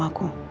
apa itu jessy